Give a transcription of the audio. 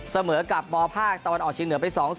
เสมอกับมภาคตะวันออกเชียงเหนือไป๒๐